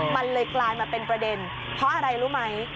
มันเลยกลายมาเป็นประเด็นเพราะอะไรรู้ไหม